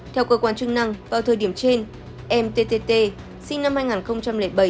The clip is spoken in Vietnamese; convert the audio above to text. theo cơ quan chức năng vào thời điểm trên em tt sinh năm hai nghìn bảy